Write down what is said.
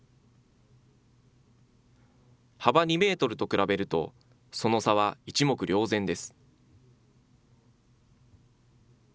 幅２メートルと比べると、その差は一目瞭然です。